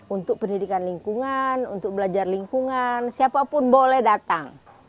untuk pendidikan lingkungan untuk belajar lingkungan siapapun boleh datang